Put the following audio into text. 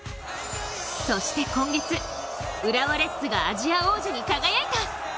そして今月、浦和レッズがアジア王者に輝いた。